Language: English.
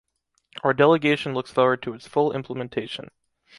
Our delegation looks forward to its full implementation.